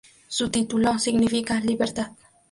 Su título significa "Libertad".